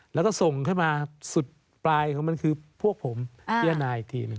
แล้วก็ส่งเข้ามาสุดปลายของมันคือพวกผมพิจารณาอีกทีหนึ่ง